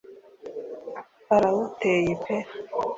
Barawuteye pe